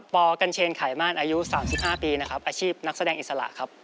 ปกัญเชนไขมาตรอายุ๓๕ปีนะครับอาชีพนักแสดงอิสระครับ